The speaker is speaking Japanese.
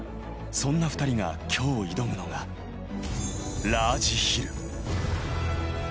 そんな２人が今日挑むのが、ラージヒル。